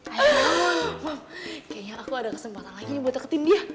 ayo kayaknya aku ada kesempatan lagi nih buat deketin dia